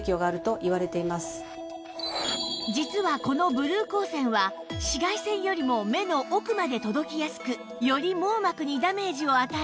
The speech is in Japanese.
実はこのブルー光線は紫外線よりも目の奥まで届きやすくより網膜にダメージを与える可能性が